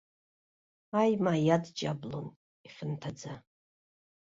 Аимаа иадҷаблон, ихьанҭаӡа.